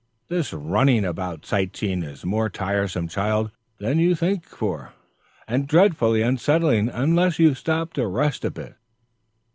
"This running about sight seeing is more tiresome, child, than you think for, and dreadfully unsettling unless you stop to rest a bit.